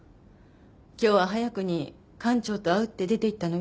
今日は早くに館長と会うって出ていったのよ。